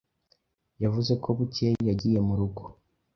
Yavuze ko bukeye yagiye mu rugo.